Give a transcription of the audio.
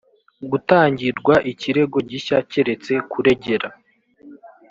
gutangirwa ikirego gishya keretse kuregera